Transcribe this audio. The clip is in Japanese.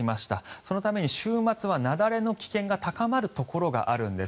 そのために週末は雪崩の危険が高まるところがあるんです。